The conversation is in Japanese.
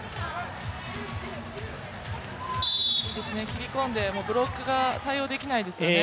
切り込んでブロックが対応できていないですよね。